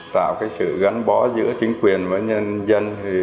tạo sự gánh bó giữa chính quyền và nhân dân